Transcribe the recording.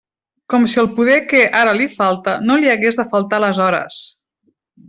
Com si el poder que ara li falta no li hagués de faltar aleshores!